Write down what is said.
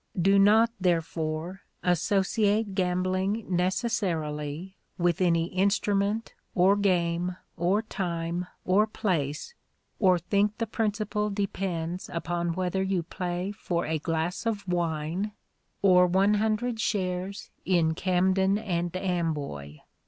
Do not, therefore, associate gambling necessarily with any instrument, or game, or time, or place, or think the principle depends upon whether you play for a glass of wine, or one hundred shares in Camden and Amboy.